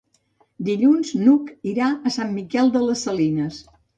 Dilluns n'Hug irà a Sant Miquel de les Salines.